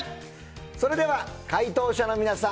それでは解答者の皆さん